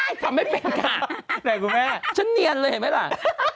แหว้ทำไมเป็นกะฉันเนียนเลยเห็นไหมล่ะ